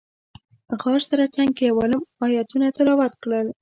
غار سره څنګ کې یو عالم ایتونه تلاوت کړل.